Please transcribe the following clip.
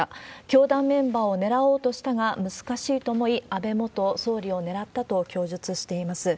教団メンバーを狙おうとしたが、難しいと思い、安倍元総理を狙ったと供述しています。